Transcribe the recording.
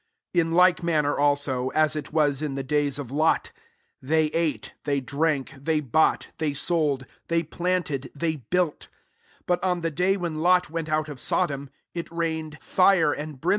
28 In like manner alao» as it was in the day a of Ix>t: they ate, they drank» thej^ bought, they sold, they plant ed, they built : 29 hut on the day when Lot went out of So dom, it raifned fire and brim 14S LUKE XVIII.